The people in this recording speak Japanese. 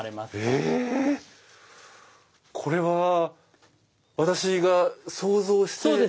これは私が想像して？